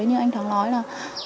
nhưng anh thắng nói là